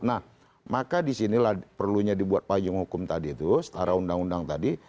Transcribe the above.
nah maka di sinilah perlunya dibuat pajung hukum tadi itu setara undang undang tadi